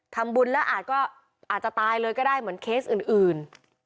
ทำบุญแล้วอาจก็อาจจะตายเลยก็ได้เหมือนเคสอื่น